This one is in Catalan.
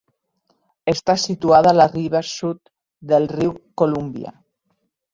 Està situada a la riba sud del riu Colúmbia.